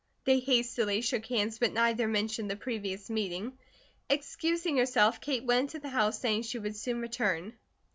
They hastily shook hands, but neither mentioned the previous meeting. Excusing herself Kate went into the house saying she would soon return.